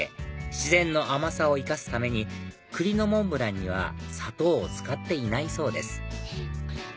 自然の甘さを生かすために栗のモンブランには砂糖を使っていないそうです